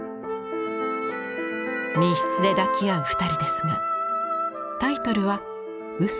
密室で抱き合う２人ですがタイトルは「嘘」。